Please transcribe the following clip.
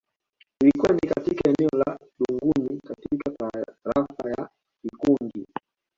Ilikuwa ni katika eneo la Dungunyi katika tarafa ya Ikungi